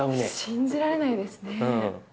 信じられないですね。